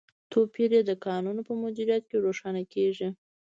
توپیر یې د کانونو په مدیریت کې روښانه کیږي.